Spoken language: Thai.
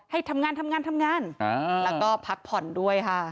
ให้ทำงานแล้วก็พักผ่อนด้วยค่ะ